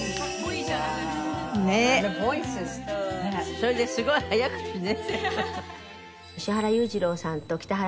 それですごい早口ね。